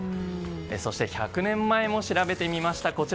そして１００年前も調べてみました。